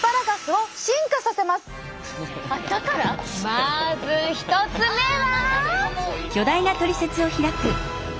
まず１つ目は？